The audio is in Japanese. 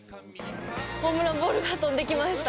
ホームランボールが飛んで来ました！